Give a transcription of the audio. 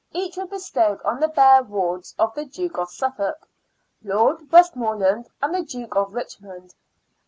each were bestowed on the bear wards of the Duke of Suffolk, Lord Westmoreland, and the Duke of Richmond.